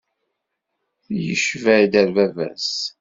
Yecba-d ar bab-as.